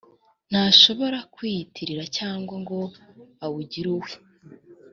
ntashobora kuwiyitirira cyangwa ngo awugire uwe.